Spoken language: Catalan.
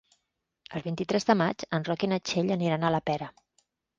El vint-i-tres de maig en Roc i na Txell aniran a la Pera.